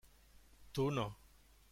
Tu no.